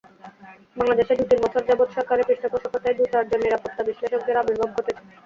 বাংলাদেশে দু-তিন বছর যাবৎ সরকারি পৃষ্ঠপোষকতায় দু-চারজন নিরাপত্তা বিশ্লেষকের আবির্ভাব ঘটেছে।